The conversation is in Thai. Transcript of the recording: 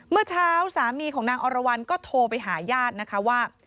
เมื่อเช้าสามีของนางอรวรรณก็โทรไปหาญาตินะคะว่า